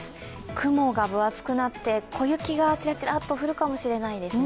雲が分厚くなって、小雪がちらちらっと降るかもしれないですね。